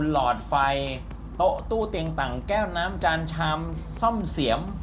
หลอดไฟโต๊ะตู้เตียงต่างแก้วน้ำจานชามซ่อมเสียม